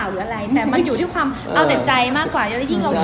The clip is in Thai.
งอแงอยากกินฉันทองนะ